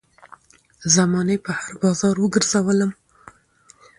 زمانې په هـــــر بازار وګرځــــــــــولم